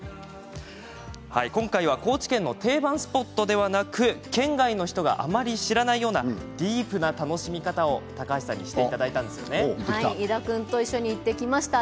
今回は高知県の定番スポットではなく県外の人があまり知らないようなディープな楽しみ方を伊田君と一緒に行ってきました。